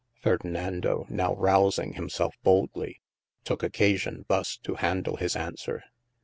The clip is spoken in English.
' Ferdinando now rousing himselfe boldly, tooke occasion thus to handle his aunswere.